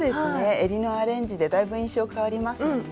えりのアレンジでだいぶ印象変わりますもんね。